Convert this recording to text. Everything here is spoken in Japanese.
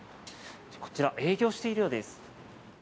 こちら、営業しているようです。